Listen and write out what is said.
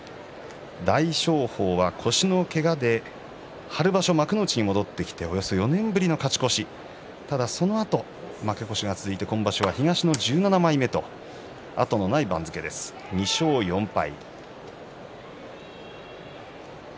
大翔鵬は腰のけがで春場所幕内に戻って４年ぶりの勝ち越しそのあと負け越しが続いて今場所は東の１７枚目後がない番付です、２勝４敗。